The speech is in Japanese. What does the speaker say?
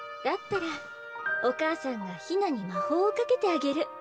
だったらお母さんが陽菜に魔法をかけてあげる。